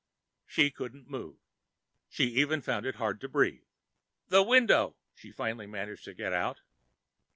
She couldn't move. She even found it hard to breathe. "The window," she finally managed to get out.